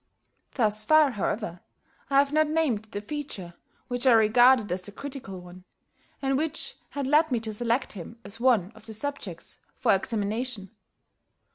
Thus far, however, I have not named the feature which I regarded as the critical one, and which had led me to select him as one of the subjects for examination.